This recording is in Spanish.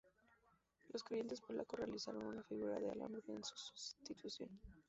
Los creyentes polacos, realizaron una figura de alambre en su sustitución.